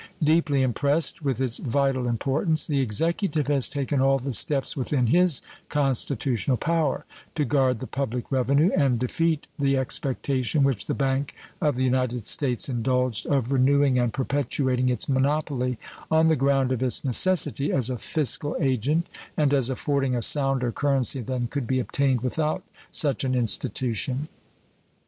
Deeply impressed with its vital importance, the Executive has taken all the steps within his constitutional power to guard the public revenue and defeat the expectation which the Bank of the United States indulged of renewing and perpetuating its monopoly on the ground of its necessity as a fiscal agent and as affording a sounder currency than could be obtained without such an institution.